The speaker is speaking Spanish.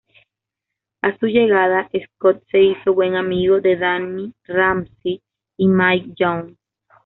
A su llegada Scott se hizo buen amigo de Danny Ramsay y Mike Young.